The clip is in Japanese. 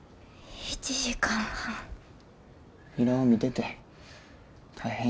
由良を見てて大変